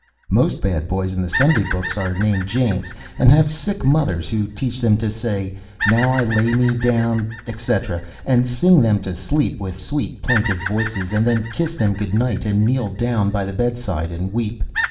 Most bad boys in the Sunday books are named James, and have sick mothers, who teach them to say, "Now, I lay me down," etc., and sing them to sleep with sweet, plaintive voices, and then kiss them good night, and kneel down by the bedside and weep.